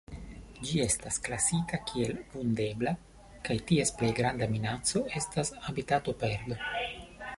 Ĝi estas klasita kiel Vundebla, kaj ties plej granda minaco estas habitatoperdo.